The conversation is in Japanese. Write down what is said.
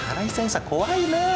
怖いねえ。